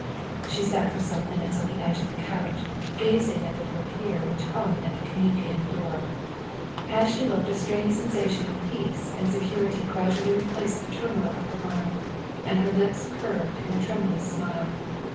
She sat for some minutes on the edge of the couch gazing at the portiere which hung at the communicating door. As she looked a strange sensation of peace and 15 226 THE WIFE OF security gradually replaced the turmoil of her mind, and her lips curved in a tremulous smile.